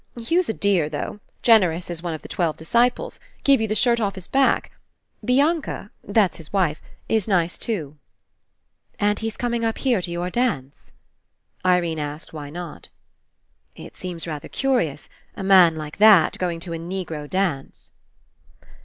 Hugh's a dear, though, generous as one of the twelve disciples ; give you the shirt off his back. Bianca — that's his wife — is nice too." 124 RE ENCOUNTER "And he's coming up here to your dance?" Irene asked why not. "It seems rather curious, a man like that, going to a Negro dance."